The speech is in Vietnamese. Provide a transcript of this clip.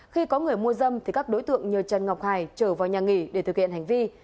khi có người mua dâm thì các đối tượng nhờ trần ngọc hải trở vào nhà nghỉ để thực hiện hành vi